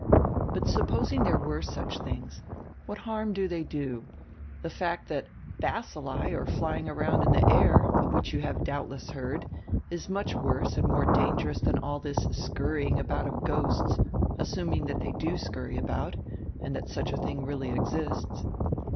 But supposing there were such things, what harm do they do? The fact that bacilli are flying around in die air, of which you have doubtless heard, is much worse and more dangerous than all this scurrying about of ghosts, assuming that they do scurry about, and that such a tiling really exists.